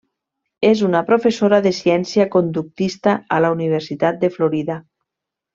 És una Professora de Ciència Conductista a la Universitat de Florida.